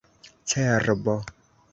cerbo